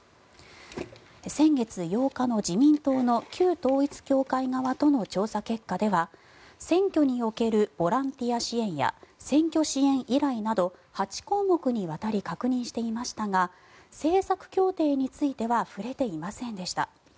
先月８日の自民党の旧統一教会側との調査結果では選挙におけるボランティア支援や選挙支援依頼など８項目にわたり確認していましたが政策協定については触れていませんでした。